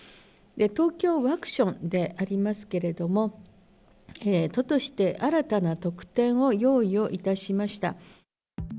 ＴＯＫＹＯワクションでありますけれども、都として、新たな特典を用意をいたしました。